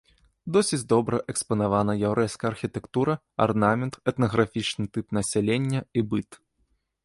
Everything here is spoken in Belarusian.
Досыць добра экспанавана яўрэйская архітэктура, арнамент, этнаграфічны тып насялення і быт.